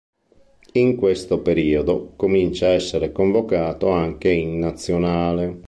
In questo periodo comincia a essere convocato anche in nazionale.